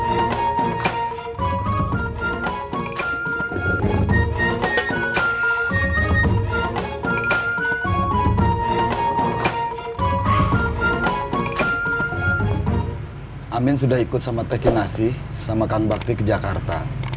aamiin sudah ikut sama teh kinasi sama kang bakti ke jakarta